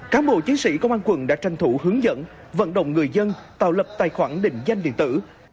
cán bộ chiến sĩ công an quận đã tranh thủ hướng dẫn vận động người dân tạo lập tài khoản định danh điện tử